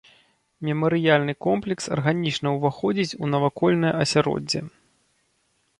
Мемарыяльны комплекс арганічна ўваходзіць у навакольнае асяроддзе.